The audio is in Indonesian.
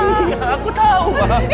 iya aku tahu ma